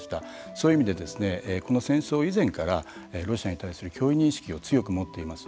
そういう意味でこの戦争以前からロシアに対する脅威認識を強く持っています。